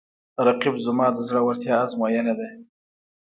رقیب زما د زړورتیا آزموینه ده